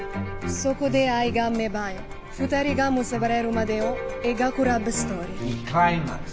そこで愛が芽生え２人が結ばれるまでを描くラブストーリー。